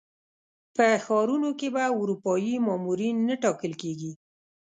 په ښارونو کې به اروپایي مامورین نه ټاکل کېږي.